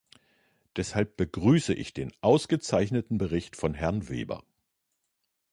Deshalb begrüße ich den ausgezeichneten Bericht von Herrn Weber.